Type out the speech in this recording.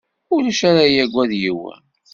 Ulac ara yagad yiwen.